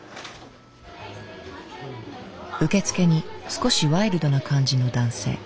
受付に少しワイルドな感じの男性。